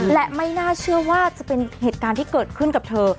และไม่น่าเชื่อว่าจะเป็นเหตุการณ์ที่เกิดขึ้นกับเธอ